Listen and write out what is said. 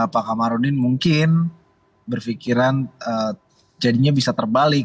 pak kamarudin mungkin berpikiran jadinya bisa terbalik